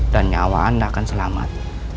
dan nyawa anda akan selamat